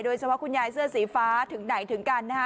คุณยายเสื้อสีฟ้าถึงไหนถึงกันนะคะ